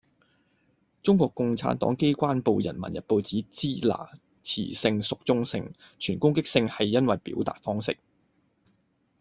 中國共產黨機關報人民日報指「支那」詞性屬中性，存攻擊性係因為表達方式